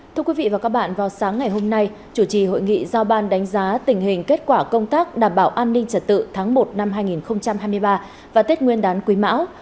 thưa quý vị và các bạn vào sáng ngày hôm nay chủ trì hội nghị giao ban đánh giá tình hình kết quả công tác đảm bảo an ninh trật tự tháng một năm hai nghìn hai mươi ba và tết nguyên đán quý mão